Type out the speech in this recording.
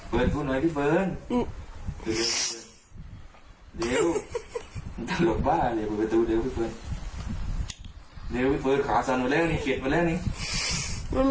เปิดประตูหน่อยพี่เฟิงเร็วมันตลกบ้าเหรอเปิดประตูเร็วพี่เฟิง